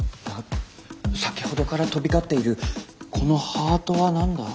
先ほどから飛び交っているこの「はあと」は何だ？